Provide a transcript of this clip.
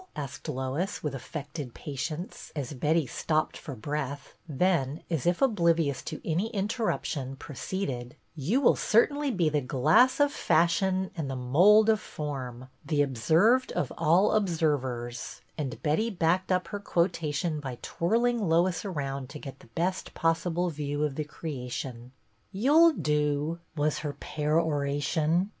asked Lois, with affected patience, as Betty stopped for breath, then, as if oblivious of any interruption, proceeded :" You will certainly be ' The glass of fashion and the mould of form, The observed of all observers,' " and Betty backed up her quotation by twirl ing Lois around to get the best possible view of the creation. "You 'll do," was her peroration.